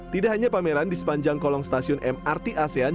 tidak hanya pameran di sepanjang kolong stasiun mrt asean